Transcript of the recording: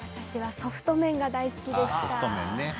ソフト麺が大好きでした。